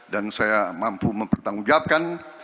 dan saya mampu mempertanggungjawabkan